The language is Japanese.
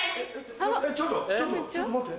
ちょっとちょっとちょっと待って。